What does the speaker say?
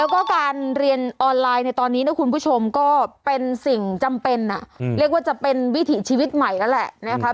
แล้วก็การเรียนออนไลน์ในตอนนี้นะคุณผู้ชมก็เป็นสิ่งจำเป็นเรียกว่าจะเป็นวิถีชีวิตใหม่แล้วแหละนะคะ